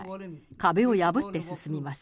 壁を破って進みます。